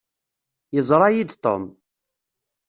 Yeẓṛa-yi-d Tom.